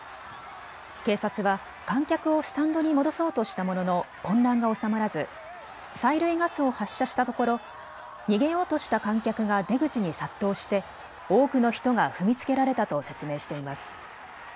警察は観客をスタンドに戻そうとしたものの混乱が収まらず催涙ガスを発射したところ逃げようとした観客が出口に殺到して多くの人が踏みつけられたと説明しています。